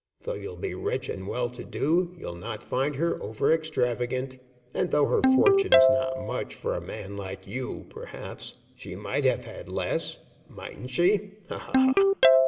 Though you'll be rich and well to do, you'll not find her over extravagant. And though her fortune's not much for a man like you, perhaps, she might have had less, mightn't she? ha! ha! ha!